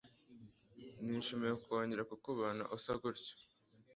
Nishimiye kongera kukubona usa gutyo.